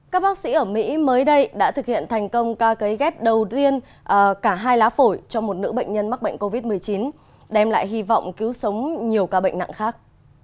các bác sĩ ở mỹ mới đây đã thực hiện thành công ca cấy ghép đầu tiên cả hai lá phổi cho một nữ bệnh nhân mắc bệnh covid một mươi chín đem lại hy vọng cứu sống nhiều ca bệnh nặng khác